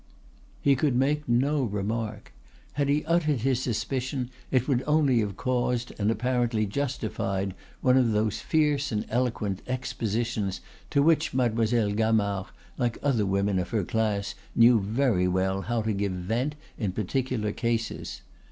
He could make no remark. Had he uttered his suspicion it would only have caused and apparently justified one of those fierce and eloquent expositions to which Mademoiselle Gamard, like other women of her class, knew very well how to give vent in particular cases.